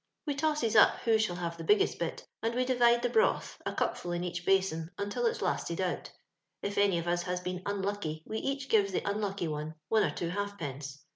We tosses up who shall have the biggest bit, and we di%ide the broth, a cupM in each basin, until it's lasted out If any of ns has been unlucky we each gives the unlucky one one or two halfx)ence.